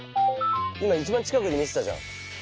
今一番近くで見てたじゃん。